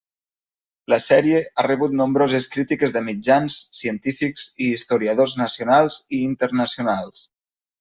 La sèrie ha rebut nombroses crítiques de mitjans, científics i historiadors nacionals i internacionals.